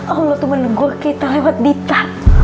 allah tuh menegur kita lewat dita